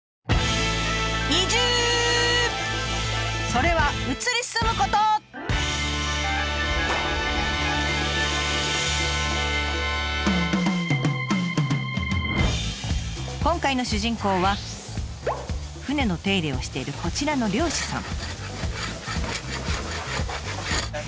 それは今回の主人公は船の手入れをしているこちらの漁師さん。